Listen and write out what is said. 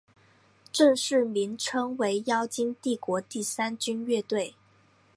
正式名称为妖精帝国第三军乐队。